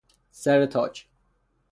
سر تاج